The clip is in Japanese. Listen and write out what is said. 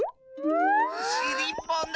しりっぽんだ！